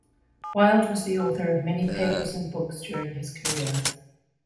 Wyld was the author of many papers and books during his career.